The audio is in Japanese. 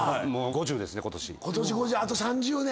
あと３０年。